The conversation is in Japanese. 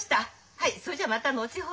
はいそいじゃまた後ほど。